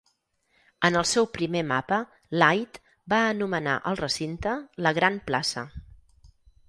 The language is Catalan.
En el seu primer mapa, Light va anomenar el recinte "la gran plaça".